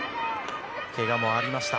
けがもありました。